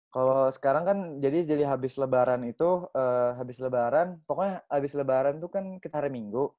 kalau sekarang kan jadi habis lebaran itu habis lebaran pokoknya habis lebaran itu kan kita hari minggu